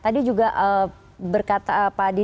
tadi juga berkata pak didit bilang kalau kita harus keberanian